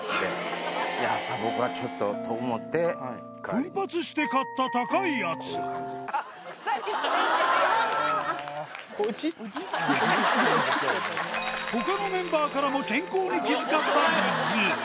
奮発して買った高いやつ他のメンバーからも健康に気遣ったグッズ